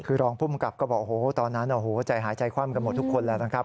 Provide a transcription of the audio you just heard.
คือรองภูมิกับก็บอกโอ้โหตอนนั้นใจหายใจคว่ำกันหมดทุกคนแล้วนะครับ